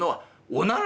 「おなら！？